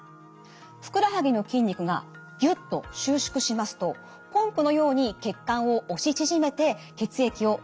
ふくらはぎの筋肉がギュッと収縮しますとポンプのように血管を押し縮めて血液を下から上に運びます。